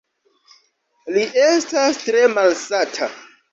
Li estas tre malsata.